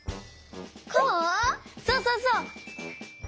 そうそうそう！